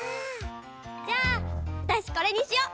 じゃあわたしこれにしよ！